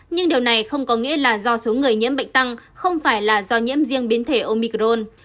nhưng điều này không có nghĩa là do số người nhiễm bệnh tăng không phải là do nhiễm riêng biến thể omicron